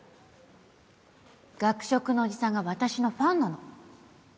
学食のおじさんが私のファンなの